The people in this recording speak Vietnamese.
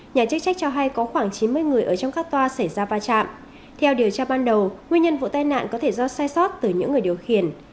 nhà chức trách cho hay có khoảng chín mươi người ở trong các toa xảy ra va chạm theo điều tra ban đầu nguyên nhân vụ tai nạn có thể do sai sót từ những người điều khiển